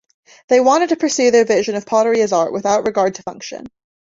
They wanted to pursue their vision of pottery as art, without regard to function.